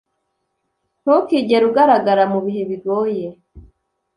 ntukigere ugaragara mubihe bigoye